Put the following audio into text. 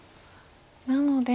なので。